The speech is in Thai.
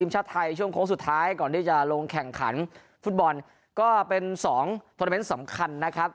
ชาติไทยช่วงโค้งสุดท้ายก่อนที่จะลงแข่งขันฟุตบอลก็เป็นสองโทรเมนต์สำคัญนะครับ